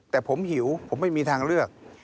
แต่ผมหิวผมไม่มีทางเลือก